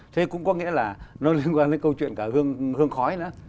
thế cũng có nghĩa là nó liên quan đến câu chuyện cả hương khói nữa